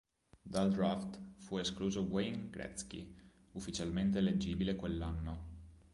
Dal draft fu escluso Wayne Gretzky, ufficialmente eleggibile quell'anno.